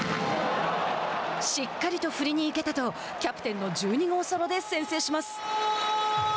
「しっかりと振りに行けた」とキャプテンの１２号ソロで先制します。